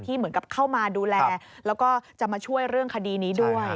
เหมือนกับเข้ามาดูแลแล้วก็จะมาช่วยเรื่องคดีนี้ด้วย